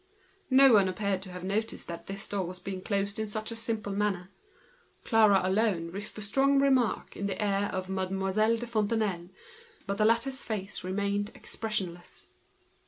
No one appeared to have noticed this door being closed in such a simple manner. Clara alone risked a strong remark in Mademoiselle de Fontenailles's ear, but the latter's face remained expressionless.